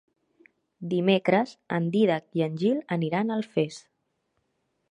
Dimecres en Dídac i en Gil aniran a Alfés.